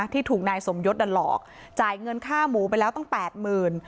ที่ถูกนายสมยศดันหลอกจ่ายเงินค่าหมูไปแล้วตั้งแปดหมื่น